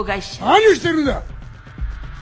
何をしてるんだ！